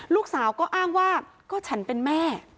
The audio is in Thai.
ลูกสาวก็อ้างว่าก็ฉันเป็นแม่